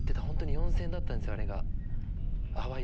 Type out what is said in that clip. ４０００円だったんですよ淡雪。